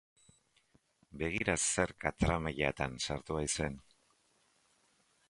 Begira zer katramilatan sartu haizen.